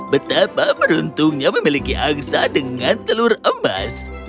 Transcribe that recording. betapa beruntungnya memiliki angsa dengan telur emas